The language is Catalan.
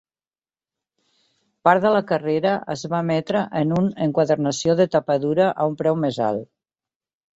Part de la carrera es va emetre en un enquadernació de tapa dura a un preu més alt.